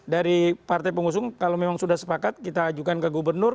dari partai pengusung kalau memang sudah sepakat kita ajukan ke gubernur